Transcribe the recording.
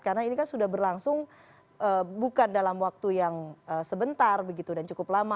karena ini kan sudah berlangsung bukan dalam waktu yang sebentar begitu dan cukup lama